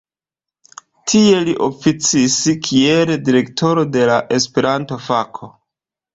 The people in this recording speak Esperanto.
Tie li oficis kiel direktoro de la Esperanto-fako.